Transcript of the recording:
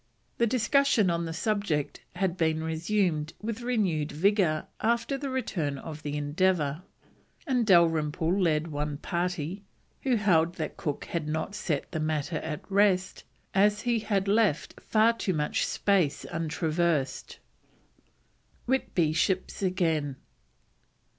The discussion on the subject had been resumed with renewed vigour after the return of the Endeavour, and Dalrymple led one party, who held that Cook had not set the matter at rest as he had left far too much space untraversed. WHITBY SHIPS AGAIN.